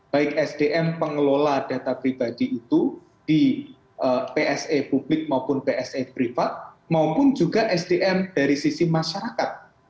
baik sdm pengelola data pribadi itu di pse publik maupun pse privat maupun juga sdm dari sisi masyarakat